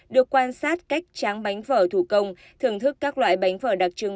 được quan sát cách tráng bánh phở thủ công thưởng thức các loại bánh phở đặc trưng